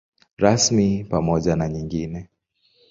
Rasmi pamoja na nyingine.